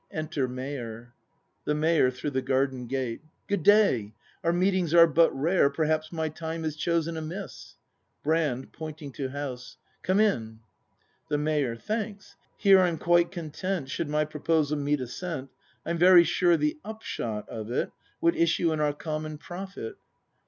Enter Mayor. The Mayor. [Through the garden gate.] Good day! Our meetings are but rare. Perhaps my time is chosen amiss Come in. Brand. [Pointing to house.] The Mayor. Thanks; here I'm quite content. Should my proposal meet assent, I'm very sure the upshot of it Would issue in our common profit.